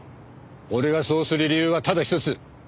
俺がそうする理由はただ一つ！